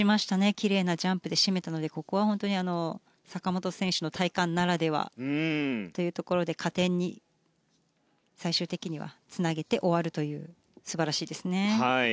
奇麗なジャンプで締めたのでここは本当に坂本選手の体幹ならではというところで加点に最終的にはつなげて終わるという素晴らしいですね。